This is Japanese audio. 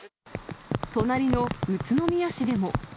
隣の宇都宮市でも。